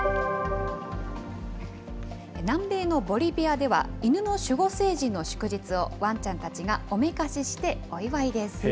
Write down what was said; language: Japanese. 南米のボリビアでは、犬の守護聖人の祝日をワンちゃんたちがおめかししてお祝いです。